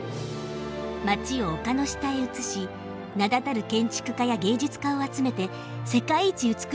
街を丘の下へ移し名だたる建築家や芸術家を集めて世界一美しい都をつくらせたの。